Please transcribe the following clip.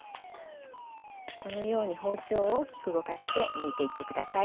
このように包丁を大きく動かしてむいていってください。